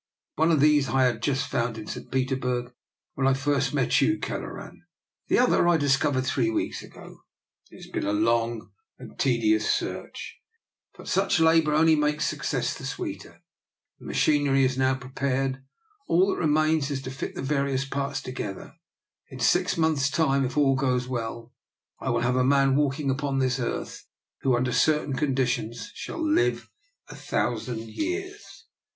One of these I had just found in St. Petersburg when I first met you, Kelleran; the other I discovered three weeks ago. It has been a long and DR. NIKOLA'S EXPERIMENT. 6 1 tedious search, but such labour only makes success the sweeter. The machinery is now prepared; all that remains is to fit the various parts together. In six months* time, if all goes well, I will have a man walking upon this earth who, under certain conditions, shall live a thousand years.'